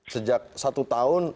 sejak satu tahun